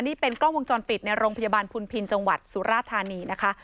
นี่เป็นกล้องวงจรปิดในโรงพยาบาลพุนพินจังหวัดสุราธานีนะคะ